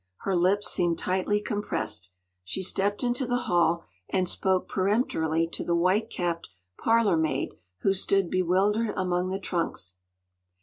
Her lips seemed tightly compressed. She stepped into the hall, and spoke peremptorily to the white capped parlourmaid who stood bewildered among the trunks.